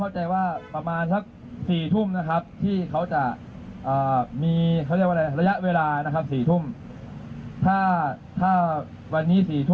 เราต้องรอพี่น้องเครือข่ายต่าง